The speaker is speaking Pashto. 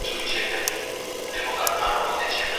ځيني مصنفينو د مسلمة لفظ هم اضافه کړی دي.